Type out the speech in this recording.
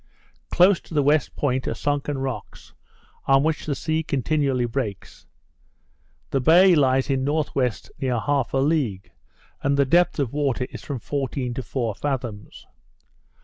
Close to the west point are sunken rocks, on which the sea continually breaks. The bay lies in N.W. near half a league; and the depth of water is from fourteen to four fathoms.